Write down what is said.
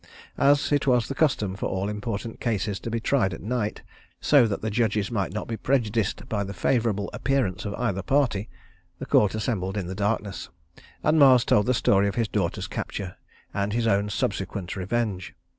As it was the custom for all important cases to be tried at night, so that the judges might not be prejudiced by the favorable appearance of either party, the court assembled in the darkness, and Mars told the story of his daughter's capture and his own subsequent revenge.